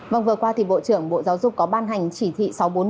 vâng vừa qua thì bộ trưởng bộ giáo dục có ban hành chỉ thị sáu trăm bốn mươi năm